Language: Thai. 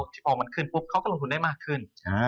พอมันขึ้นปุ๊บเขาก็ลงทุนได้มากขึ้น